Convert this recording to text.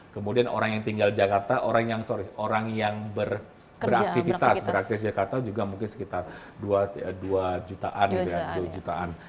kemudian orang yang tinggal di jakarta orang yang beraktifitas di jakarta juga mungkin sekitar dua jutaan